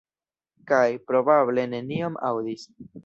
Kaj, probable, nenion aŭdis.